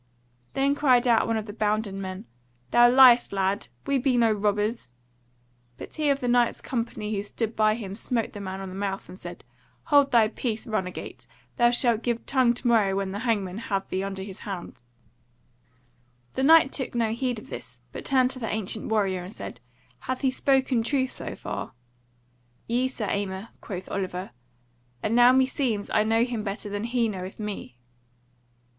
Then cried out one of the bounden men: "Thou liest, lad, we be no robbers." But he of the Knight's company who stood by him smote the man on the mouth and said: "Hold thy peace, runagate! Thou shalt give tongue to morrow when the hangman hath thee under his hands." The Knight took no heed of this; but turned to the ancient warrior and said: "Hath he spoken truth so far?" "Yea, Sir Aymer," quoth Oliver; "And now meseems I know him better than he knoweth me."